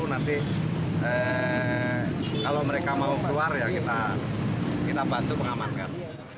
nanti kalau mereka mau keluar ya kita bantu pengamanan